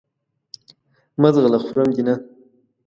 مه ځغله خورم دې نه !